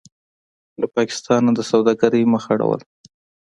له پاکستانه د سوداګرۍ مخ اړول: